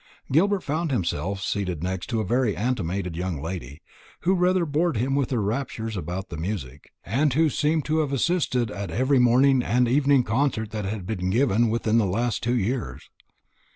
Gilbert found himself seated next a very animated young lady, who rather bored him with her raptures about the music, and who seemed to have assisted at every morning and evening concert that had been given within the last two years.